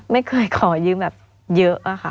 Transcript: ไม่เคยขอยืมแบบเยอะอะค่ะ